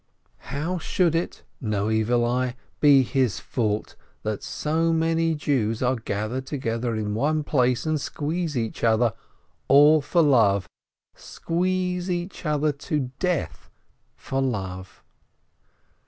How should it, no evil eye ! be his fault, that so many Jews are gathered together in one place and squeeze each other, all for love, squeeze each other to death for love?